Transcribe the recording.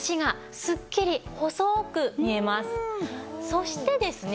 そしてですね